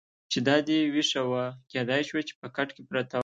چې دا دې وېښه وه، کېدای شوه چې په کټ کې پرته وه.